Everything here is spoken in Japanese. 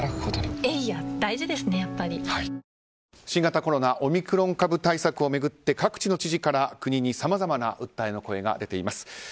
新型コロナオミクロン株対策を巡って各地の知事から国にさまざまな訴えの声が出ています。